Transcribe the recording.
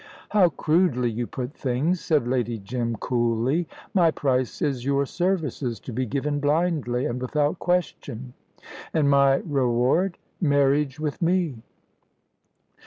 "How crudely you put things!" said Lady Jim, coolly. "My price is your services, to be given blindly, and without question." "And my reward?" "Marriage with me."